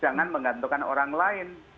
jangan menggantungkan orang lain